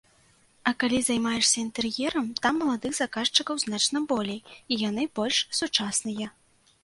А калі займаешся інтэр'ерам, там маладых заказчыкаў значна болей і яны больш сучасныя.